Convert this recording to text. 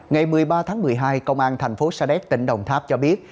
ngày một mươi ba tháng một mươi hai công an thành phố sa đéc tỉnh đồng tháp cho biết